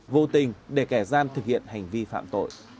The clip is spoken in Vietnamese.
vô tình để kẻ gian thực hiện hành vi phạm tội